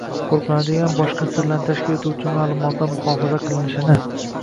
qo‘riqlanadigan boshqa sirni tashkil etuvchi ma’lumotlar muhofaza qilinishini